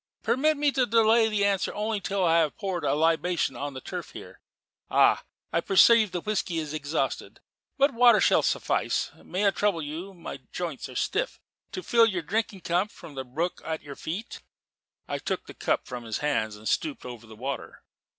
Permit me to delay the answer only till I have poured libation on the turf here. Ah! I perceive the whisky is exhausted: but water shall suffice. May I trouble you my joints are stiff to fill your drinking cup from the brook at your feet?" I took the cup from his hands and stooped over the water.